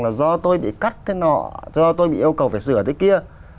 là do tôi bị cắt cái nọ do tôi bị yêu cầu phải sửa thế kia